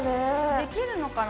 できるのかな？